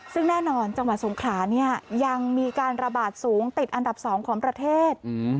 ซึ่งแน่นอนจังหวัดสงขลาเนี่ยยังมีการระบาดสูงติดอันดับ๒ของประเทศ